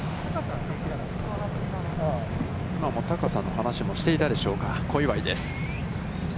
今も高さの話もしていたでしょうか、小祝です。